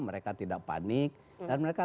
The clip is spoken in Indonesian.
mereka tidak panik dan mereka